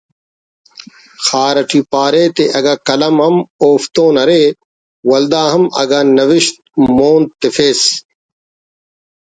خار اٹی پارے تے اگہ قلم ہم اوفتتون ارے ولدا ہم اگہ نوشت مون تفس